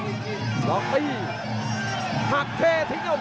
หักเท่ทิ้งนอกถื้นครับ